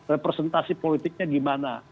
representasi politiknya gimana